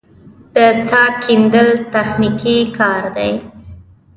د څاه کیندل تخنیکي کار دی